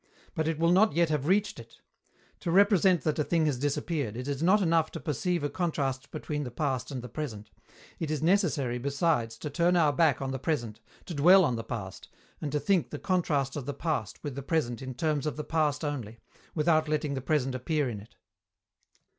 But it will not yet have reached it. To represent that a thing has disappeared, it is not enough to perceive a contrast between the past and the present; it is necessary besides to turn our back on the present, to dwell on the past, and to think the contrast of the past with the present in terms of the past only, without letting the present appear in it.